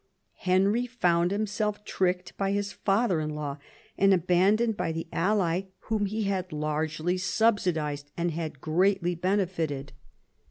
Henry found himself tricked by his father in law, and abandoned by the ally whom he had largely subsidised, and had greatly benefited.